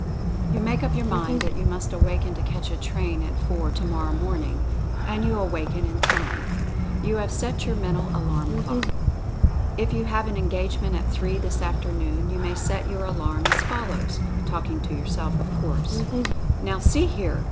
You make up your mind that you must awaken to catch a train at four tomor row morning — and you awaken in time. You have set your mental alarm clock. If you have an engage ment at three this afternoon you may set your alarm as follows (talking to yourself, of course) : Now, see here!